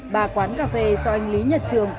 ba quán cà phê do anh lý nhật trường